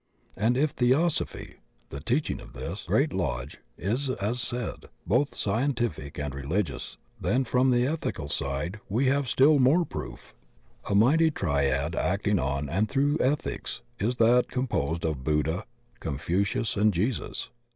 And if Theosophy — the teaching of this Great Lodge — ^is as said, both scientific and religious, then from the ethical side we have still more proof. A mighty Triad acting on and through ethics is that composed of Buddha, Confucius, and Jesus.